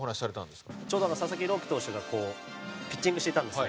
ちょうど佐々木朗希投手がピッチングしていたんですね。